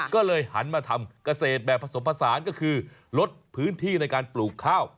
ก็เลยหันมาทำเกษตรแบบผสมผสานก็คือลดพื้นที่ในการปลูกข้าว